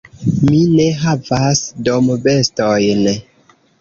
Mi ne havas dombestojn.